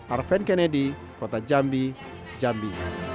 arven kennedy kota jambi jambi